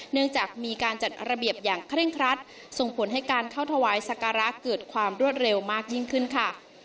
เนื่องจากมีการจัดระเบียบอย่างเคร่งครัดส่งผลให้การเข้าถวายสักการะเกิดความรวดเร็วมากยิ่งขึ้นค่ะ